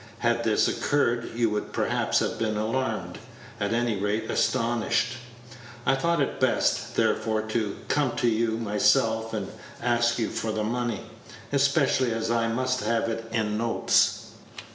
Had this occurred, you would perhaps have been alarmed, at any rate astonished. I thought it best, therefore, to come to you myself and ask you for the money, especially as I must have it in notes."